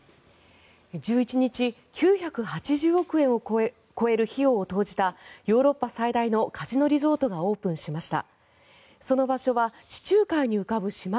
１１日９８０億円を超える費用を投じたヨーロッパ最大のカジノリゾートがオープンしました。